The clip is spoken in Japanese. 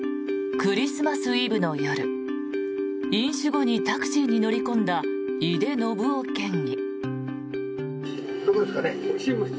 クリスマスイブの夜飲酒後にタクシーに乗り込んだ井手順雄県議。